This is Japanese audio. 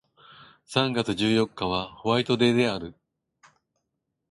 三月十四日はホワイトデーである